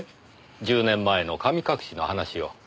十年前の神隠しの話を。